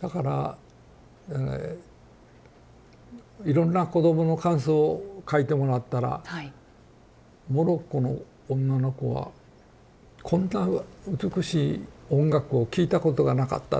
だからいろんな子どもの感想を書いてもらったらモロッコの女の子は「こんな美しい音楽を聴いたことがなかった」って言うんですよ